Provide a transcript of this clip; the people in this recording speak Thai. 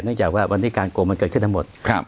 เนื่องจากว่าวันนี้การโกงมันเกิดขึ้นทั้งหมดครับ